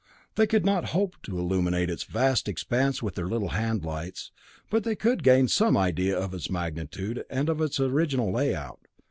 They could not hope to illuminate its vast expanse with their little hand lights, but they could gain some idea of its magnitude, and of its original layout.